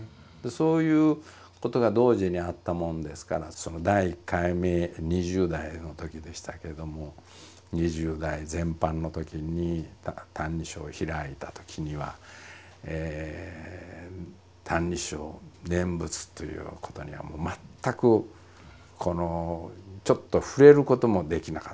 そういうことが同時にあったもんですから第１回目２０代のときでしたけども２０代前半のときに「歎異抄」を開いたときには「歎異抄」念仏ということにはもう全くちょっと触れることもできなかった。